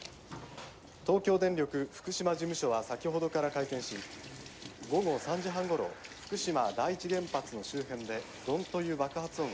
東京電力福島事務所は先ほどから会見し午後３時半ごろ福島第一原発の周辺で『ドン』という爆発音がした。